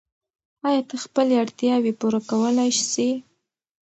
آیا ته خپلې اړتیاوې پوره کولای سې؟